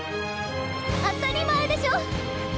当たり前でしょ！